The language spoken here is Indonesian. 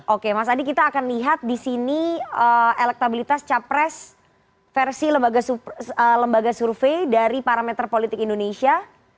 oke mas adi kita akan lihat di sini elektabilitas capres versi lembaga survei dari parameter politik indonesia